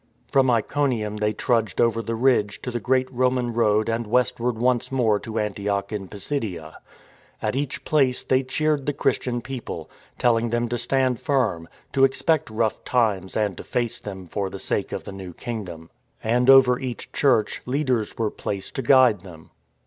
From Iconium they trudged over the ridge to the great Roman road and westward once more to Anti och in Pisidia. At each place they cheered the Chris tian people, telling them to stand firm, to expect rough times, and to face them for the sake of the new Kingdom, And over each church, leaders were placed to guide them.